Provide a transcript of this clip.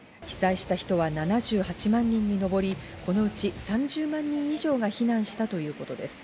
被災した人は７８万人にのぼり、このうち３０万人以上が避難したということです。